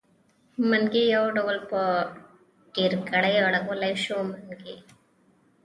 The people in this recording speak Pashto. منګی يو ډول په ډېرګړي اړولی شو؛ منګي.